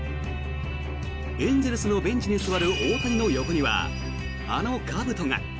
エンゼルスのベンチに座る大谷の横にはあのかぶとが。